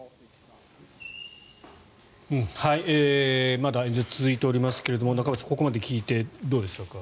まだ演説、続いておりますが中林さんここまで聞いてどうでしたか？